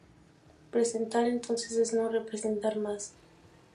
Presentar, entonces, es no representar más.